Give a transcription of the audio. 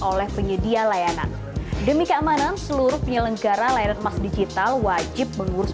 oleh penyedia layanan demi keamanan seluruh penyelenggara layanan emas digital wajib mengurus